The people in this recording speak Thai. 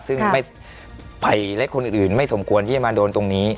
ซึ่งภัยและคนอื่นไม่สมควรที่จะมาโดนตรงนี้